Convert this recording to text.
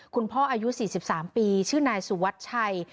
คุณพ่ออายุ๔๓ปีชื่อนายสุวัสดิ์ชัย